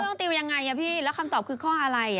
ต้องติวยังไงพี่แล้วคำตอบคือข้ออะไร